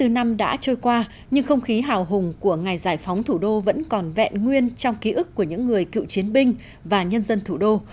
bốn mươi năm năm đã trôi qua nhưng không khí hào hùng của ngày giải phóng thủ đô vẫn còn vẹn nguyên trong ký ức của những người cựu chiến binh và nhân dân thủ đô